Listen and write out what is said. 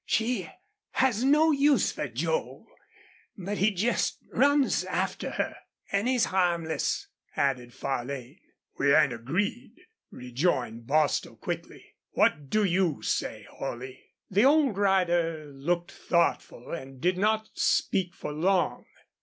She has no use fer Joel. But he jest runs after her." "An' he's harmless," added Farlane. "We ain't agreed," rejoined Bostil, quickly. "What do you say, Holley?" The old rider looked thoughtful and did not speak for long.